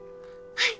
はい！